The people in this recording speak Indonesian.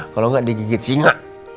kalau enggak digigit singa